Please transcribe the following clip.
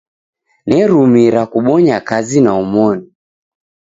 Nerumira kubonya kazi na omoni.